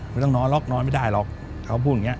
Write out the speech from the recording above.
ไม่ต้องนอนหรอกนอนไม่ได้หรอกเขาพูดอย่างนี้